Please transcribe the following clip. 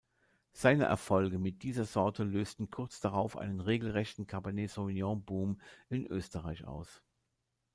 Seine Erfolge mit dieser Sorte lösten kurz darauf einen regelrechten "Cabernet-Sauvignon-Boom" in Österreich aus.